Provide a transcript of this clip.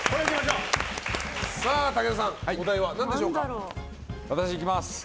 武田さん、お題は何でしょうか。